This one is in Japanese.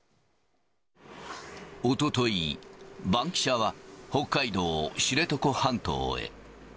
おととい、バンキシャは北海道知床半島へ。